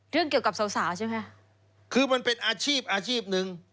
เกี่ยวกับสาวสาวใช่ไหมคะคือมันเป็นอาชีพอาชีพหนึ่ง